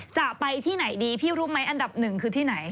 จะไปที่ไหนดีพี่รู้ไหมอันดับหนึ่งคือที่ไหน